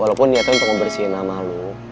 walaupun niatnya untuk membersihin nama lo